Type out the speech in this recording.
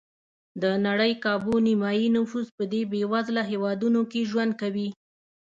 د نړۍ کابو نیمایي نفوس په دې بېوزله هېوادونو کې ژوند کوي.